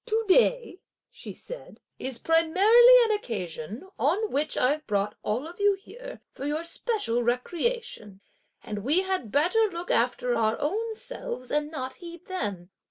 "To day," she said, "is primarily an occasion, on which I've brought all of you here for your special recreation; and we had better look after our own selves and not heed them!